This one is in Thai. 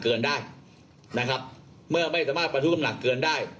เกินได้นะครับเมื่อไม่สามารถประทุน้ำหนักเกินได้